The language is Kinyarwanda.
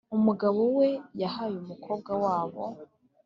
umugabo we yahaye umukobwa wabo.